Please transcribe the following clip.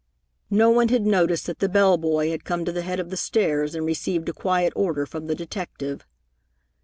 No one had noticed that the bell boy had come to the head of the stairs and received a quiet order from the detective.